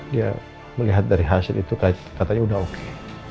dia melihat dari hasil itu katanya sudah oke